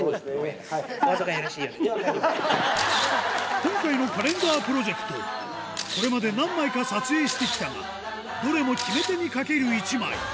今回のカレンダープロジェクト、これまで何枚か撮影してきたが、どれも決め手に欠ける一枚。